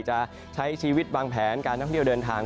จะใช้ชีวิตวางแผนการท่องเที่ยวเดินทาง